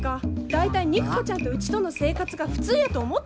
大体肉子ちゃんとうちとの生活が普通やと思ってんの？